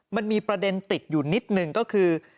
มันมีประเด็นติดอยู่นิดหนึ่งก็คือ